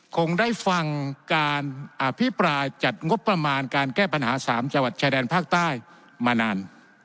คงได้ฟังการอภิปรายจัดงบประมาณการแก้ปัญหา๓จังหวัดชายแดนภาคใต้มานาน